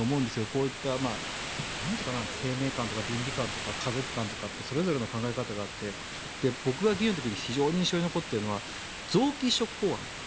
こういった生命観とか倫理観とか家族観とかってそれぞれの考え方があって僕が議員の時に非常に印象に残っているのは臓器移植法案。